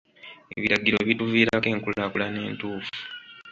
Ebiragiro bituviirako enkulaakulana entuufu.